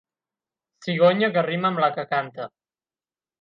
Cigonya que rima amb la que canta.